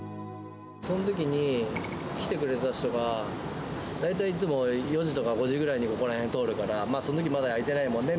そのときに、来てくれた人が大体いつも４時とか５時ぐらいにここら辺通るから、そのとき、まだ開いてないもんね？